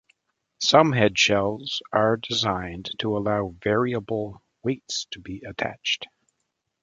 Some head-shells are designed to allow variable weights to be attached.